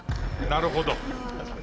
なるほど。